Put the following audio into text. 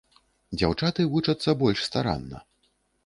Дзяўчаты вучацца больш старанна.